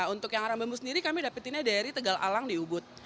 untuk yang arang bambu sendiri kami dapatinnya dari tegal alang di ubud